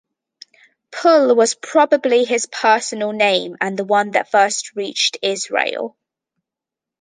Pul was probably his personal name and the one that first reached Israel.